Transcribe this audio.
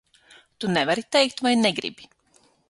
Tu nevari teikt vai negribi?